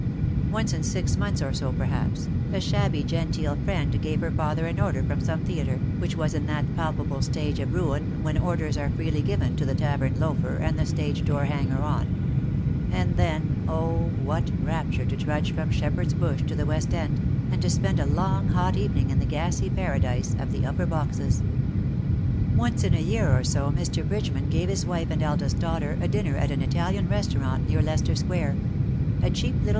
Once in six months or so, perhaps, a shabby genteel friend gave her father an order for some theatre^ which was in that palpable stage of ruin when orders are freely given to the tavern loafer and the stage door hanger on — and then, oh, what rapture to trudge from Shep herd's Bush to the West End, and to spend a long hot evening in the gassy paradise of the Upper Boxes I Once in a year or so Mr. Bridgeman gave his wife and eldest girl a dinner at an Italian Kestaurant near Leicester Square — a cheap little IN SOCIETY.